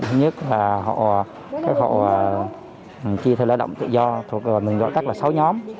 thứ nhất là họ chia thêm lãi động tự do mình gọi các là sáu nhóm